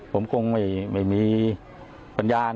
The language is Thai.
ผมคงไม่มีปัญญาณ